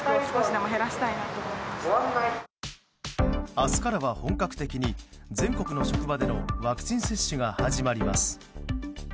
明日からは本格的に全国の職場でのワクチン接種が始まります。